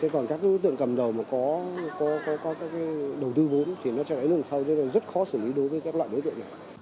còn các đối tượng cầm đầu mà có đầu tư vốn thì nó sẽ đứng đằng sau rất khó xử lý đối với các loại đối tượng này